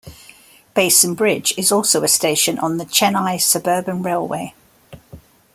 Basin Bridge is also a station on the Chennai suburban railway.